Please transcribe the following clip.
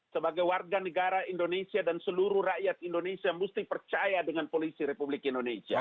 sebagai warga negara indonesia dan seluruh rakyat indonesia mesti percaya dengan polisi republik indonesia